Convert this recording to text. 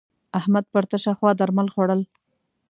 احمد پر تشه خوا درمل خوړول.